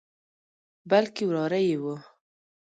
بلکې وراره یې وو.